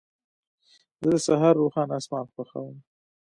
زه د سهار روښانه اسمان خوښوم.